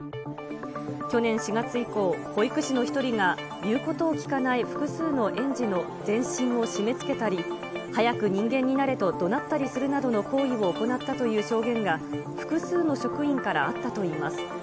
去年４月以降、保育士の１人が言うことを聞かない複数の園児の全身を締めつけたり、早く人間になれとどなったりするなどの行為を行ったという証言が、複数の職員からあったといいます。